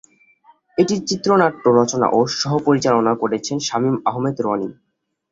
এটির চিত্রনাট্য রচনা ও সহ-পরিচালনা করেছেন শামীম আহমেদ রনি।